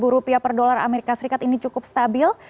rupiah per dolar amerika serikat ini cukup stabil